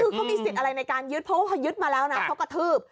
คือเขามีสิทธิ์อะไรในการยึดเพราะว่าพอยึดมาแล้วนะเขากระทืบ